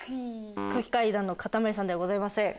空気階段のかたまりさんではございません。